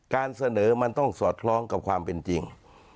การเสนอมันต้องสอดคล้องกับความเป็นจริง